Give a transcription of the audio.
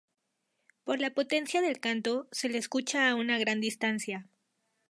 Por la potencia del canto, se le escucha a una gran distancia.